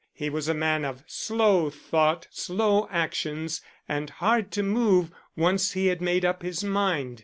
He was a man of slow thought, slow actions, and hard to move once he had made up his mind.